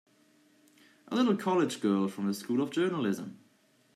A little college girl from a School of Journalism!